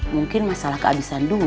mungkin masalah kehabisan duit kali